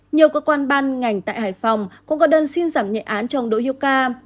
nhiều cơ quan ban ngành tại hải phòng cũng có đơn xin giảm nhẹ án cho ông đỗ hữu ca